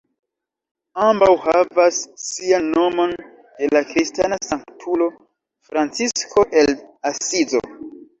Ambaŭ havas sian nomon de la kristana sanktulo Francisko el Asizo.